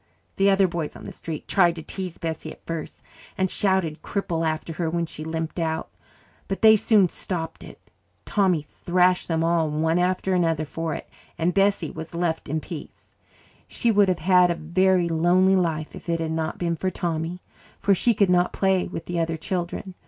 The other boys on the street tried to tease Bessie at first and shouted "Cripple!" after her when she limped out. But they soon stopped it. Tommy thrashed them all one after another for it, and Bessie was left in peace. She would have had a very lonely life if it had not been for Tommy, for she could not play with the other children.